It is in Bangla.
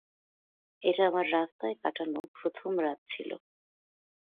এটা আমার রাস্তায় কাটানো প্রথম রাত ছিল।